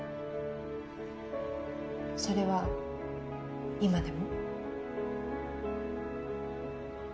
それは今でも？